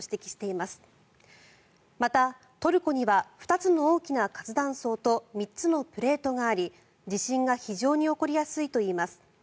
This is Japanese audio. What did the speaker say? また、トルコには２つの大きな活断層と３つのプレートがあり地震が非常に起こりやすいといいます。